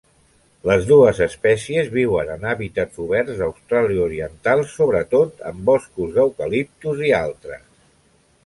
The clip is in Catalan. Les dues espècies viuen en hàbitats oberts d'Austràlia Oriental, sobretot en boscos d'eucaliptus i altres.